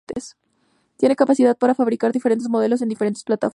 Tiene capacidad para fabricar diferentes modelos en diferentes plataformas.